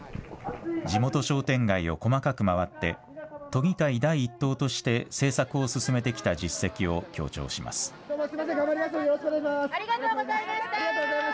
地元商店街を細かく回って都議会第一党として政策を進めてきた実績を強調します。